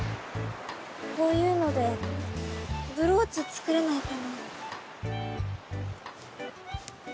こういうのでブローチ作れないかな。